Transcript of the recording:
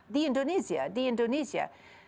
di indonesia di indonesia